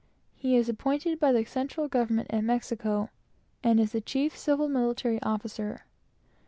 He is appointed by the central government at Mexico, and is the chief civil and military officer.